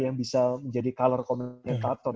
yang bisa menjadi color komunikator